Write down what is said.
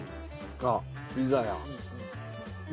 あっピザや。